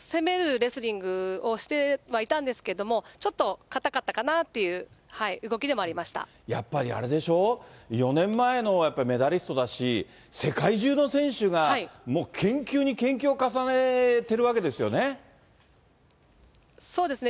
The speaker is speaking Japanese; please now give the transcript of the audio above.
レスリングをしてはいたんですけれども、ちょっと硬かったやっぱりあれでしょ、４年前のやっぱりメダリストだし、世界中の選手が、もう研究に研究を重ねてるわけですよね。